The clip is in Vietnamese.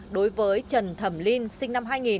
đối với trần thẩm linh sinh năm hai nghìn